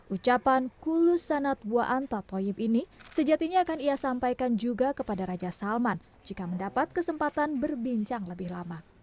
ucapan kulus sanatwa anta toyib ini sejatinya akan ia sampaikan juga kepada raja salman jika mendapat kesempatan berbincang lebih lama